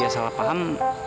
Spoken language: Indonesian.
ya salah paham